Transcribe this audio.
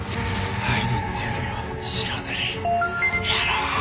会いに行ってやるよ白塗り野郎！